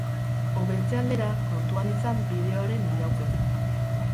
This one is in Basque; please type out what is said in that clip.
Hobetze aldera, kontuan izan bideoaren iraupena.